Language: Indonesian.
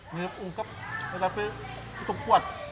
mirip ungkep tapi cukup kuat